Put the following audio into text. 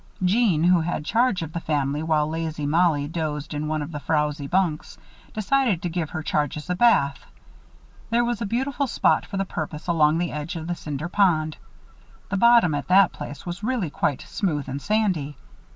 Jeanne, who had charge of the family while lazy Mollie dozed in one of the frowzy bunks, decided to give her charges a bath. There was a beautiful spot for the purpose along the edge of the Cinder Pond. The bottom at that place was really quite smooth and sandy.